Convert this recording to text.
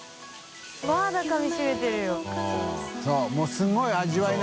すごい！